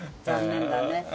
残念だね。